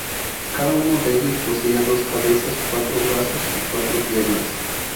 Cada uno de ellos poseía dos cabezas, cuatro brazos y cuatro piernas.